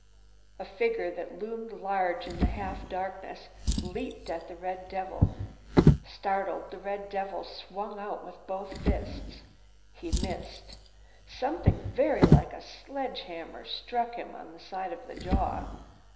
A figure that loomed large in the half darkness leaped at the red devil. Startled, the red devil swung out with both fists. He missed. Something very like a sledge hammer struck him on the side of the jaw.